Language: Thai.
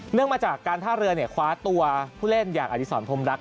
มาจากการท่าเรือคว้าตัวผู้เล่นอย่างอดีศรพรมรักษ